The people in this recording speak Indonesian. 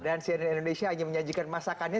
dan cnn indonesia hanya menyajikan masakannya